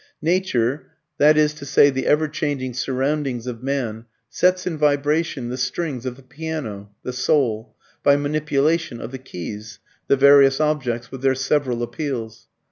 Nature, that is to say the ever changing surroundings of man, sets in vibration the strings of the piano (the soul) by manipulation of the keys (the various objects with their several appeals).